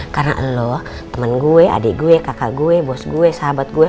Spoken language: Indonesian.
karena lo temen gue adik gue kakak gue bos gue sahabat gue